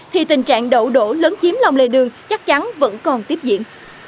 thì tình trạng đậu đổ lớn chiếm lòng lề đường chắc chắn vẫn còn tiếp diễn